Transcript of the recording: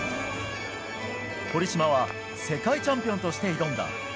堀島は世界チャンピオンとして挑んだ。